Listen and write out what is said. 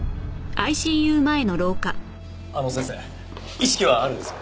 あの先生意識はあるんですか？